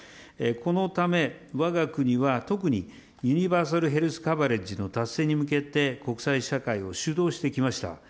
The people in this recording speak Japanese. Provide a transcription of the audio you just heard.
このため、わが国は特にユニバーサルヘルスカバレッジの達成に向けて、国際社会を主導してきました。